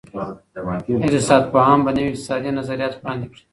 اقتصاد پوهان به نوي اقتصادي نظریات وړاندې کړي.